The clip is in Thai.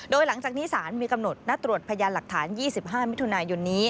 โดยหลังจากนี้สารมีกำหนดนัดตรวจพยานหลักฐาน๒๕มิถุนายนนี้